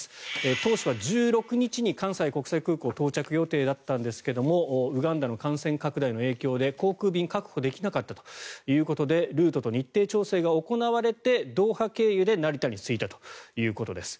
当初は１６日に関西国際空港に到着予定だったんですがウガンダの感染拡大の影響で航空便が確保できなかったということでル−トと日程調整が行われてドーハ経由で成田に着いたということです。